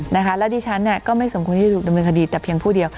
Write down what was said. แล้วดิฉันเนี่ยก็ไม่สมควรที่จะถูกดำเนินคดีแต่เพียงผู้เดียว